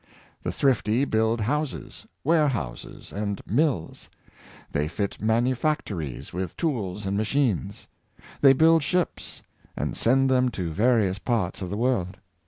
The thrifty build houses, ware houses, and mills. They fit manufactories with tools and machines. They build ships, and send them to various parts of the world.